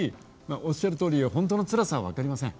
おっしゃるとおり本当のつらさは分かりません。